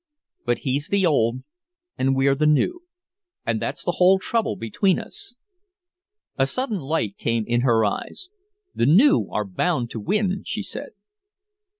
But he's the old and we're the new and that's the whole trouble between us." A sudden light came in her eyes. "The new are bound to win!" she said.